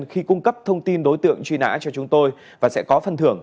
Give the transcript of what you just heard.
khi cung cấp thông tin đối tượng truy nã cho chúng tôi và sẽ có phân thưởng